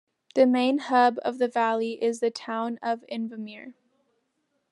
The main hub of the valley is the town of Invermere.